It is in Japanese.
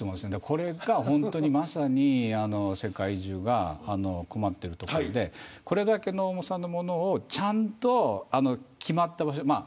これがまさに世界中が困っているところでこれだけの重さの物をちゃんと決まった場所。